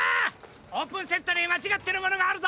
オープンセットにまちがってるものがあるぞ！